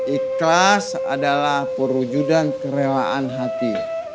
ikhlas adalah perwujudan kerelaan hati